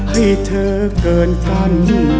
ให้เธอเกินฝัน